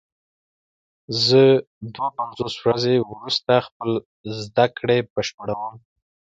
زه دوه پنځوس ورځې وروسته خپلې زده کړې بشپړوم.